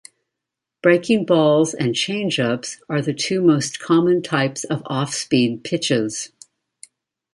Breaking balls and changeups are the two most common types of off-speed pitches.